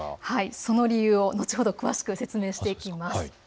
その理由、後ほど詳しく説明します。